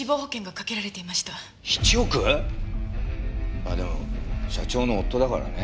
まあでも社長の夫だからね